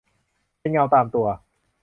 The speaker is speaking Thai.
เป็นเงาตามตัว